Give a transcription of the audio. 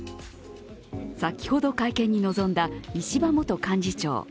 先ほど、会見に臨んだ石破元幹事長。